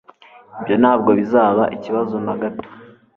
ibyo ntabwo bizaba ikibazo na gato